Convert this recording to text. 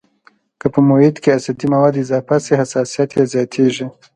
که په محیط کې اسیدي مواد اضافه شي حساسیت یې زیاتیږي.